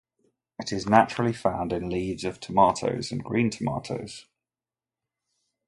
It is naturally found in leaves of tomatoes and green tomatoes.